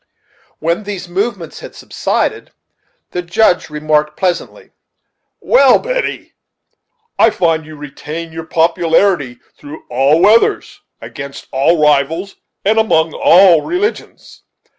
When these movements had subsided, the Judge remarked pleasantly: "Well, Betty, I find you retain your popularity through all weathers, against all rivals, and among all religions.